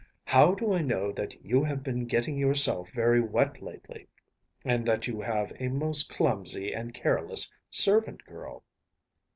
How do I know that you have been getting yourself very wet lately, and that you have a most clumsy and careless servant girl?